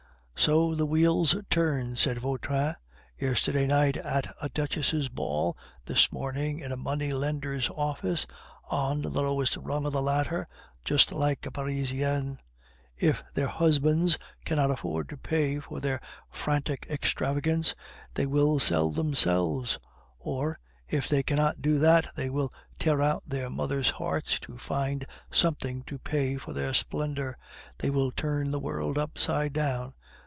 "So the wheel turns," said Vautrin; "yesterday night at a duchess' ball, this morning in a money lender's office, on the lowest rung of the ladder just like a Parisienne! If their husbands cannot afford to pay for their frantic extravagance, they will sell themselves. Or if they cannot do that, they will tear out their mothers' hearts to find something to pay for their splendor. They will turn the world upside down.